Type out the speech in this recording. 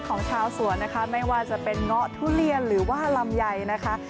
ของชาวสวนนะคะไม่ว่าจะเป็นเงาะทุเรียนหรือว่าลำไยนะคะ